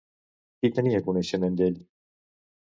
Qui tenia coneixement d'ell?